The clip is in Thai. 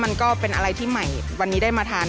มันก็เป็นอะไรที่ใหม่วันนี้ได้มาทาน